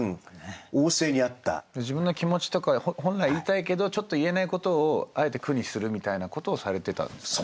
自分の気持ちとか本来言いたいけどちょっと言えないことをあえて句にするみたいなことをされてたんですかね。